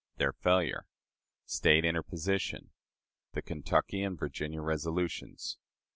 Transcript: Their Failure. State Interposition. The Kentucky and Virginia Resolutions.